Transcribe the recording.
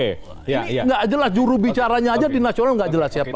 ini nggak jelas jurubicaranya aja di nasional nggak jelas siapa